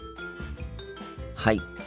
はい。